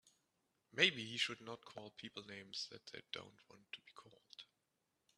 Maybe he should not call people names that they don't want to be called.